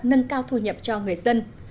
nâng cao thu nhập cho người dân